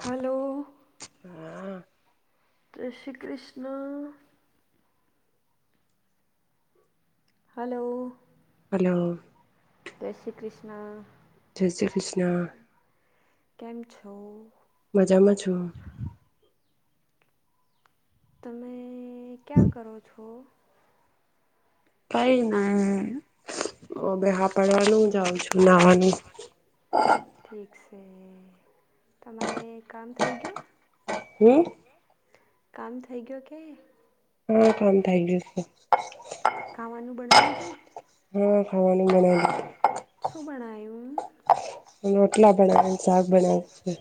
Hello જય Shri Krishna hello હ જય શ્રી કૃષ્ણ જય શ્રી કૃષ્ણ કેમ છો મજામાં છું તમે ક્યાં કરો છો પ ના હ બેહા પડવાનું હ જાઉં છું નાહવાનું ઠીક છે તમારે કામ થઈ ગયું હમ કામ થઇ ગયો કે હા કમ થઈ ગયો હ ખાવાનું મ રોટલા ભણાવ શાક ભણ છે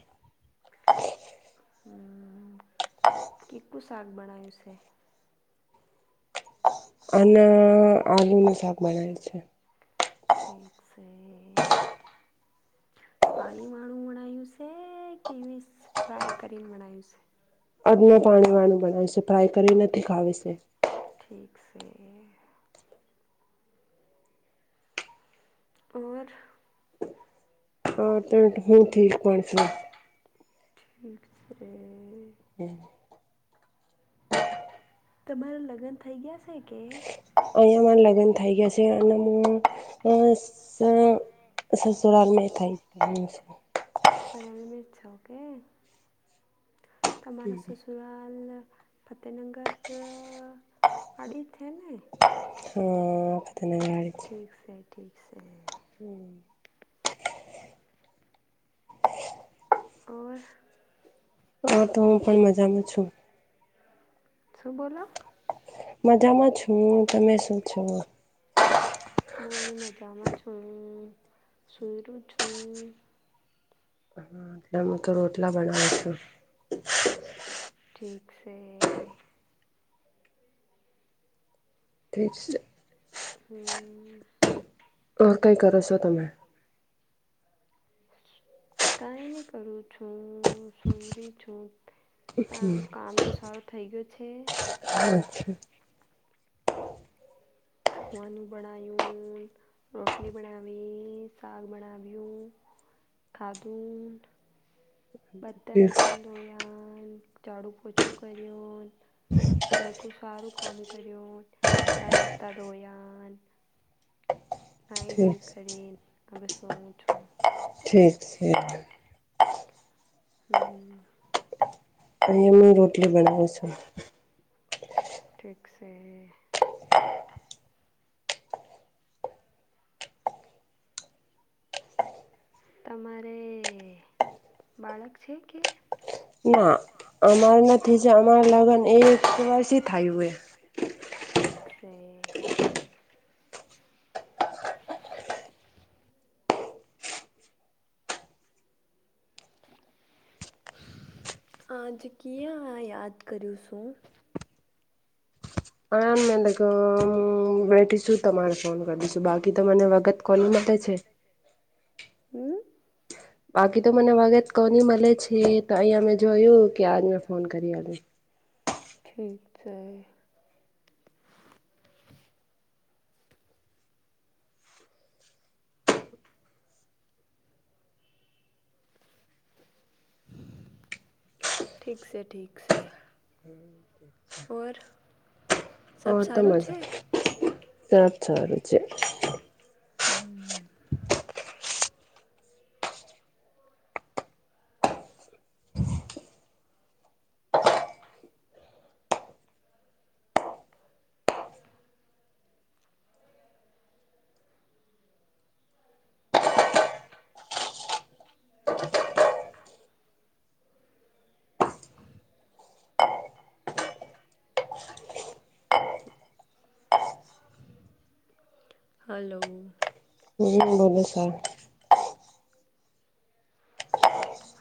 હમ કેકું શાક બણયું છે અને આલુ ન શાક બનાવે છે ઠીક છે [inaudible] પાણી વાળું વણાયું છે કે ફ્રાય કરીને મણાયું છે અડનું પાણી વાણું બનાવે છે ફ્રાય કર નથી ખાવી છે પક્ષ ઓર હ ત હું ઠીક પા છ ઠીક છે તમારા લગ્ન થઈ ગયા છે કે અહિયાંયામાં લગ્ન થઈ ગયા છે અને સુરા થાય કે તમારા સસુરાાલ ફતેહનગર અ થનેને હ કતે નજાર છે ઠીક છે હમ ઓર હા તો હું પણ મજામાં છું સુબોલો મજામાં છું તમે શું છો મ્મી મજામાં છું સુયરું છું એટલે અમે તો રોટલા બનાવ છું ઠીક છે ઠીક છે હમ ઓર કઈ કરો છો તમે કઈ નહી કરું છું સોરી છું હ પ છે અચ્છા ખાવાનું બણવું રોટલી બનાવી શક બનાવ્યું ખાદન બરતન વરતન ધો ઝાડુ પોછો કર્યો ઘર કો સારું કામ કર્યો કપડા લ દરોયાન નાઈ તોોઈ કર અભ સું છું શીઠ હમ અમાં રોટલી બનાવું છું ઠીક છે તમારે બાળક છે કે ના અમાર નથી જ અમાર લગ્ન એક વર્ષ થાય હોય ઠક છે આજ કં યાદ કરુ શું હ મેં વઠીશું તમારે ફોન કરીશું બાકી તો મને વગત કોલમાં ક છે હમ બાકી તો મને વગત કોની મળે છે તો અહીંયા મેં જોયું કે આજ મેં ફોન કરી [inaudible] ઠીક છે ઠીક છે ઠીક છે ઠીક છે સબ સારું છે સાચછ છે હમ હલોો હલેસર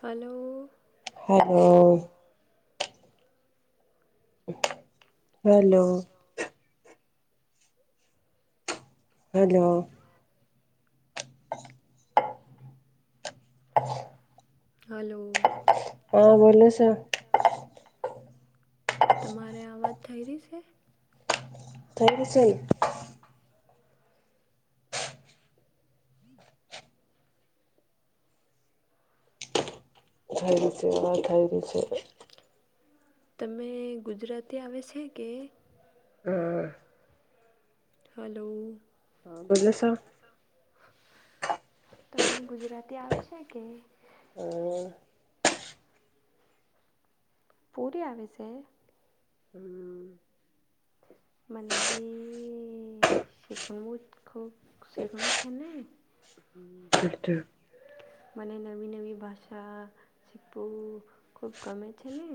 હલો હ હલો હલો હલો હા બો છ તમારે આ વાત થઈ રહી છે થઈ છે થઈ રહી છે આ થઈ રહી છે તમે ગુજરાતી આવે છે કે હલોલો તમે ગુજરાતી આવે છે કે પૂરી આવે છે મને બી એ શેખણું બું ખ શેખણું છેને હ મને નવી નવી ભાષા શીખવું ખૂબ ગમે છે ને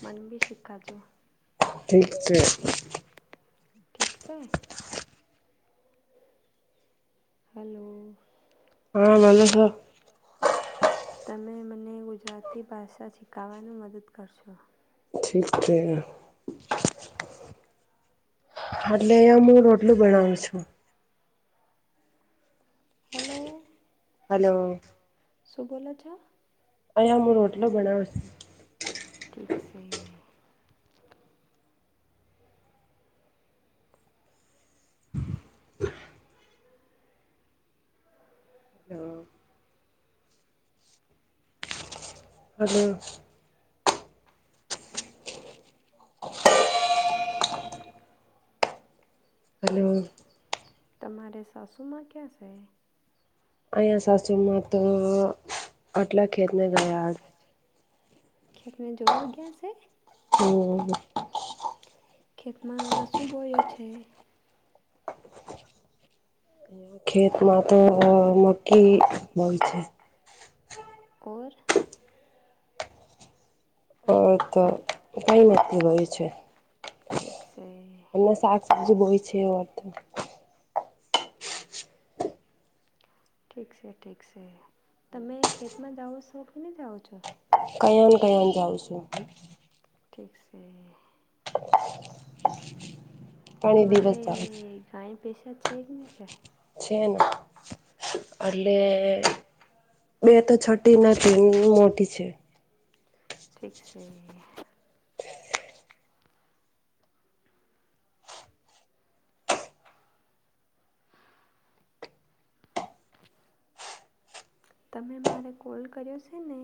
મને બી શીખા છો ઠીક છે ઠક છે હાલો. હા મનીષા તમે મને ગુજરાતી ભાષા શીખાવાનું મદદ કરશો ઠીક છે. એટલે એમ હું રોટલું બનાવું છું. હાલો. હાલો. શું બોલો છો? અંયા હું રોટલો બનાવ છુ. ઠીક છે. હાલો. અને તમારે સાસુમાં ક્યાં છે અહીંયા સાસુ માં તો આટલા ખેતને ગયા ખેતને જોવા ગયા છે હમ ખેતમાં શુભ હોોય છે ખેતમાં તો મખી હોય છે. ઓર. હો તો કઈ નક્કી હોય છે. એમને શાક સબજી બોય છે, એવ અર્થ ઠીક છે, ઠીક છે, તમે ખેતમાં જાઓ છો ક ની જાઓ છો કયાન કયાન જાઉં છું ઠીક છે. તમારે ગાય ભેશા છે કે નય છે? છે ને અટલે બે તો છતી નથી મોટી છે. ઠીક છે. તમે મારે કોલ કર્યો છે ને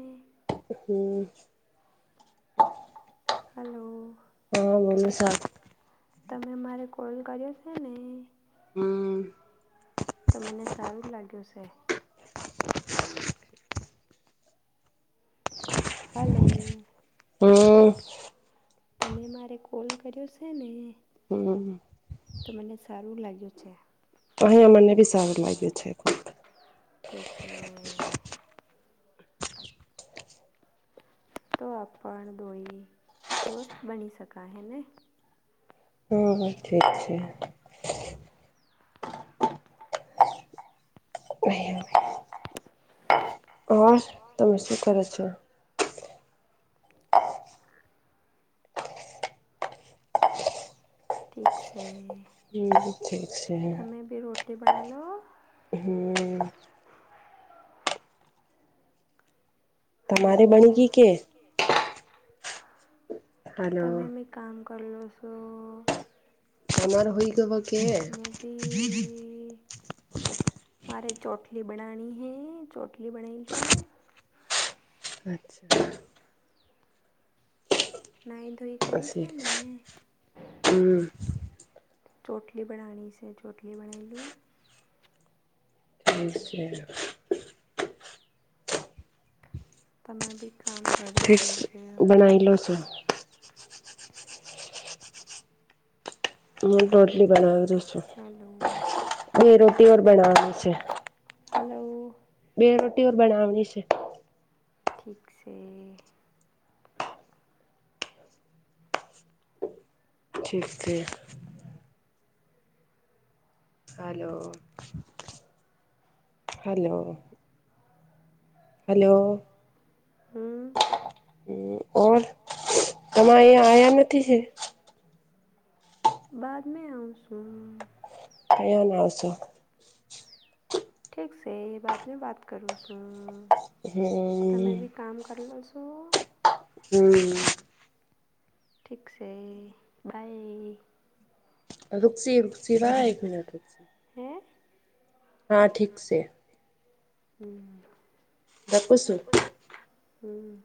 હાલો. બોલો સા તમે મારે કોલ કર્યો છે ને તો મને સારું લાગ્યું છે. હાલો. તમે મારે કોલ કર્યો છે ને તો મને સારું લાગ્યું છે. અહીંયા મને બી સારું લાગ્યું છે. ઠીક છે. તો આપણ દોહી દોસ્ત બની શકાય હેને હ ઠીક છે. [unintelligible] તમે શું કરો છો? [inaudible] ઠીક છે. હમ ઠીક છે. તે બનાલો હમ. તમારે બણી ગઈ કે તમે મે એક કામ કરલો છો તમાર હોય ગબ કે મારે ચોટલી બનાની હૈ ચોટલી બનાઈ લોઉ અચ્છા. નાઈ ધોઈ કરી છે ને ચોટલી બનાની છે, ચોટલી બનાય લું ઠીક છે. તમે બી બનાઈ લો છું. [unintelligible] રોટલી બનાવ [unintelligible] છું બે રોટી ઓર બનાવાની છે. હાલો. બે રોટીઓર બનાવની છે. ઠીક છે. ઠીક છે. હાલો હલો હાલો. હમ. ઓર તમારે અહીંયા અંયા નથી છે. બાદ મે આવંસું ક્યા ના આવશો ઠીક છે, બાત મે વાત કરું છું. તમે બી કામ કરી લો છો હમ. ઠીક છે, બાઈ રુકસી રુકશી વાય એક મિનટ રુખસી હા ઠીક છે. હમ. દપુશું હમ.